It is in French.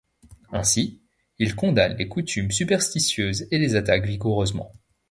Ainsi, il condamne les coutumes superstitieuses et les attaque vigoureusement.